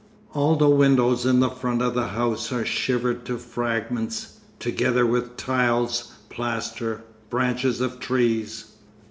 All the windows in the front of the house are shivered to fragments, together with tiles, plaster, branches of trees.